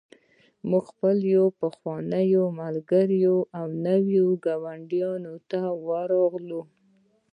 موږ خپلو پخوانیو ملګرو او نویو ګاونډیانو ته ورغلو